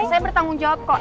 saya bertanggung jawab kok